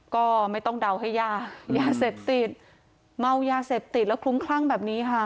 ก็ไม่ต้องเดาให้ยายาเสพติดเมายาเสพติดแล้วคลุ้มคลั่งแบบนี้ค่ะ